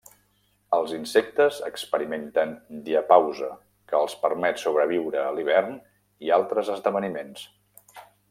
Els insectes experimenten diapausa, que els permet sobreviure a l'hivern i altres esdeveniments.